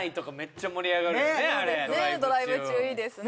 ドライブ中いいですね